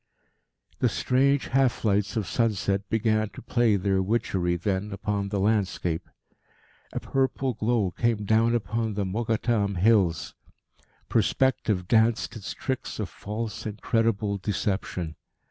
The strange half lights of sunset began to play their witchery then upon the landscape. A purple glow came down upon the Mokattam Hills. Perspective danced its tricks of false, incredible deception.